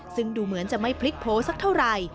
ซึ่งดูเหมือนจะไม่พลิกโพสักเท่าไหร่